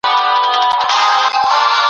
ستاسو په زړه کي به د محبت ډیوه بله وي.